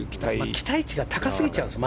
期待値が高すぎちゃうんですよね。